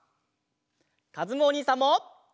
かずむおにいさんも！